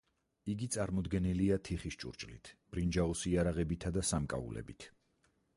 იგი წარმოდგენილია თიხის ჭურჭლით, ბრინჯაოს იარაღებითა და სამკაულებით.